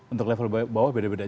untuk level bawah beda beda